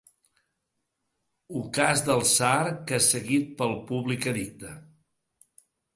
Ucàs del tsar que es seguit pel públic addicte.